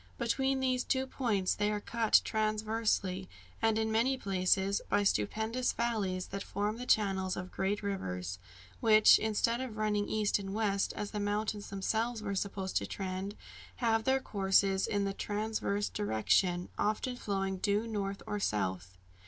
Between these two points they are cut transversely and in many places by stupendous valleys, that form the channels of great rivers, which, instead of running east and west, as the mountains themselves were supposed to trend, have their courses in the transverse direction often flowing due north or south.